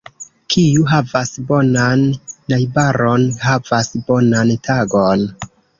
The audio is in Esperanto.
Kiu havas bonan najbaron, havas bonan tagon.